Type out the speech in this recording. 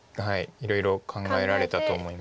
いろいろ考えられたと思います。